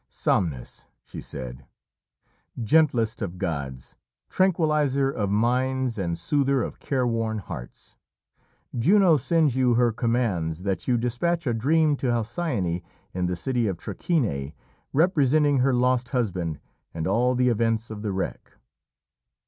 "Somnus," she said, "gentlest of gods, tranquilliser of minds and soother of careworn hearts, Juno sends you her commands that you despatch a dream to Halcyone in the city of Trachine, representing her lost husband and all the events of the wreck."